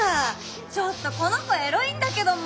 ちょっとこの子エロいんだけども。